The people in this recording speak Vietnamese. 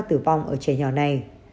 tử vong ở trẻ nhỏ này